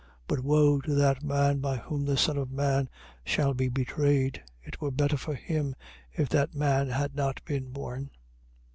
But woe to that man by whom the Son of man shall be betrayed. It were better for him, if that man had not been born.